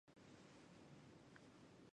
前传是原作品衍生作品的一种。